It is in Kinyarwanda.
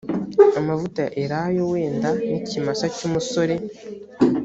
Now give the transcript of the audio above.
amavuta ya elayo wende n ikimasa cy umusore